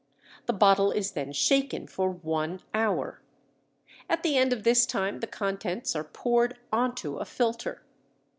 The bottle is then shaken for one hour. At the end of this time the contents are poured onto a filter.